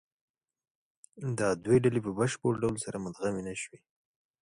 دا دوې ډلې په بشپړ ډول سره مدغمې نهشوې.